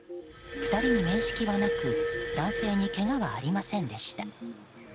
２人に面識はなく男性にけがはありませんでした。